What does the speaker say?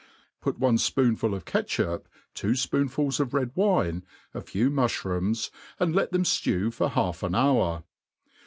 put one fpoonful of catchup, two fpoonfuls of red wine, a few mufhrooms, and let them ftew for half an hour.